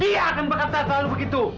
dia akan berkata terlalu begitu